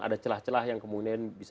ada celah celah yang kemudian bisa